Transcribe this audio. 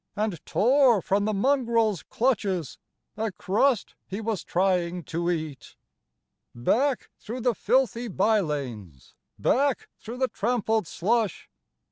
And tore from the mongrel's clutches A crust he was trying to eat. " Back, through the filthy by lanes ! Back, through the trampled slush